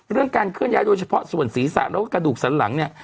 การเคลื่อนย้ายโดยเฉพาะส่วนศีรษะแล้วก็กระดูกสันหลังเนี่ย